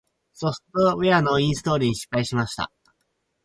ソフトウェアのインストールに失敗しました。